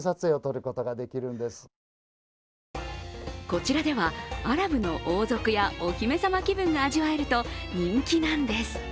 こちらではアラブの王族やお姫様気分が味わえると人気なんです。